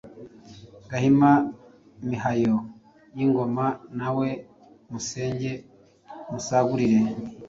Gahima, Mihayo y’ingoma, Na we musenge musagurire